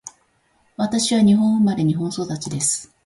私は日本生まれ、日本育ちです。